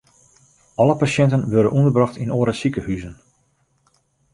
Alle pasjinten wurde ûnderbrocht yn oare sikehuzen.